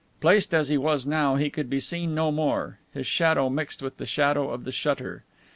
Placed as he was now he could be seen no more. His shadow mixed with the shadow of the shutter.